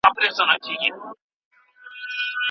خاوند د مېرمني په وړاندي کوم حقوق لري؟